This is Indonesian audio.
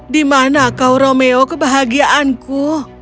di mana kau romeo kebahagiaanku